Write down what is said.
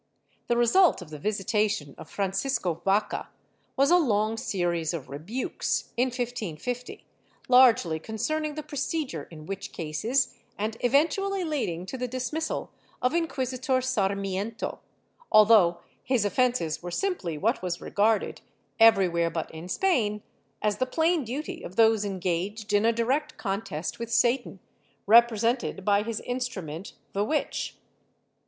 The result of the visitation of Francisco Vaca was a long series of rebukes, in 1550, largely concerning the procedure in witch cases and event ually leading to the dismissal of Inquisitor Sarmiento, although his offences were simply what was regarded, everywhere but in Spain, as the plain duty of those engaged in a direct contest with Satan, represented by his instrument the witch.